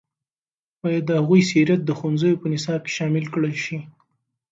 باید د هغوی سیرت د ښوونځیو په نصاب کې شامل کړل شي.